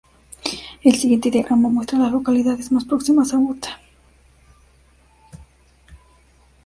El siguiente diagrama muestra a las localidades más próximas a Butte.